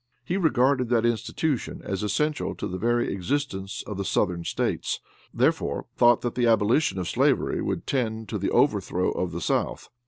He regarded that institution as essential to the very existence of the Southern States; therefore thought that the abolition of slavery would tend to the overthrow of the South.